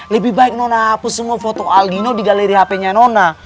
lebih baik nona hapus semua foto aldino di galeri hpnya nona